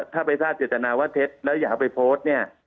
ถ้าไปทราบเจตนาว่าเท็จแล้วอย่าเอาไปโพสต์เนี่ย